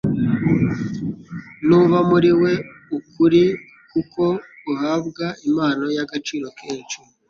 N’uba muri we, ukuri k’uko uhabwa impano y’agaciro kenshi